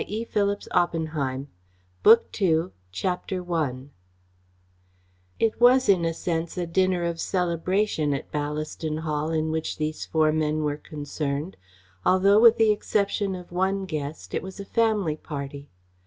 END OF BOOK ONE BOOK TWO CHAPTER I It was in a sense a dinner of celebration at Ballaston Hall in which these four men were concerned, although, with the exception of one guest, it was a family party.